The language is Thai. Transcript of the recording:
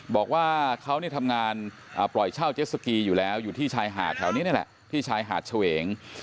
บอกว่าเขาทำงานปล่อยเช่าเจสสกีอยู่แล้วอยู่ที่ชายหาชะเวง